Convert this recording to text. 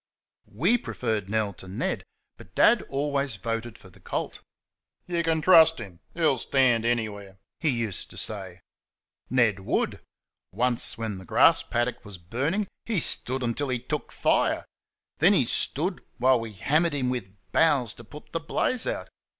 WE preferred Nell to Ned, but Dad always voted for the colt. "You can trust him; he'll stand anywhere," he used to say. Ned WOULD! Once, when the grass paddock was burning, he stood until he took fire. Then he stood while we hammered him with boughs to put the blaze out.